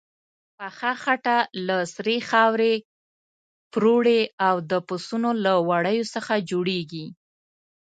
پخه خټه له سرې خاورې، پروړې او د پسونو له وړیو څخه جوړیږي.